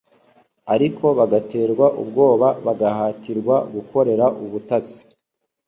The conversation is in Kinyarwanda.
ariko bagaterwa ubwoba bagahatirwa gukorera ubutasi